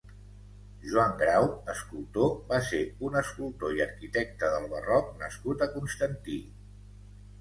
Joan Grau (escultor) va ser un escultor i arquitecte del barroc nascut a Constantí.